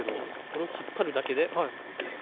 これを引っ張るだけで。